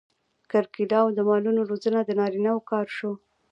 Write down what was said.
کرکیله او د مالونو روزنه د نارینه وو کار شو.